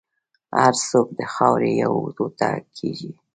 هر څوک د خاورې یو ټوټه کېږي.